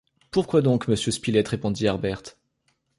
Pourquoi donc, monsieur Spilett? répondit Harbert.